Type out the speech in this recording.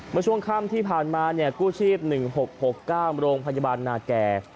เมื่อช่วงค่ำที่ผ่านมากู้ชีพ๑๖๖๙โรงพยาบาลนาแก่